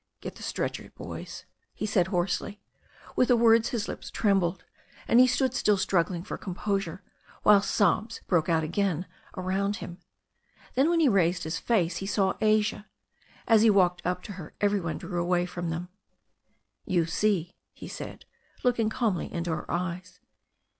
"Get the stretcher, boys," he said hoarsely. With the words his lips trembled, and he stood still struggling for composure, while sobs broke out again around him. Then when he raised his face he saw Asia. As he walked up to her every one drew away from them. "You see," he said, looking calmly into her eyes.